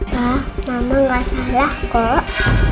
pa mama gak salah kok